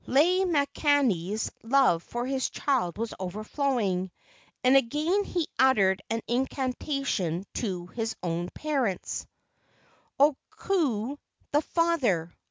Lei makani's love for his child was overflowing, and again he uttered an incantation to his own parents: "O Ku, the father!